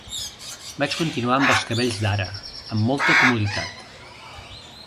Vaig continuar amb els cabells d'ara, amb molta comoditat.